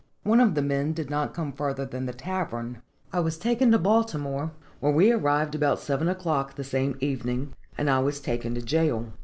One of the men did not come further than the tavern. I was taken to Baltimore, where we arrived about seven o'clock the same evening, and I was taken to jail.